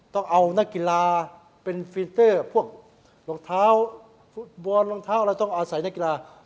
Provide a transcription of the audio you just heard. ต้องเอานักกีฬาเป็นฟีเตอร์พวกรองเท้าฟุตบอลรองเท้าเราต้องอาศัยนักกีฬา